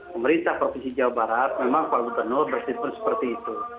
pemerintah provinsi jawa barat memang pak gubernur bersikun seperti itu